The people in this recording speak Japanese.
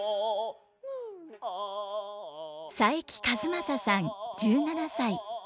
佐伯和正さん１７歳。